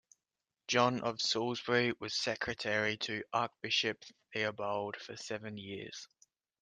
John of Salisbury was secretary to Archbishop Theobald for seven years.